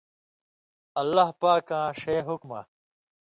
اللہ پاکاں ݜے حُکمہ